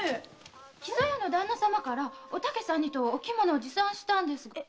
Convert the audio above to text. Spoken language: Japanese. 木曽屋の旦那様からお竹さんにとお着物を持参したんです。